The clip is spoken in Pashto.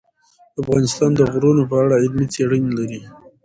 افغانستان د غرونه په اړه علمي څېړنې لري.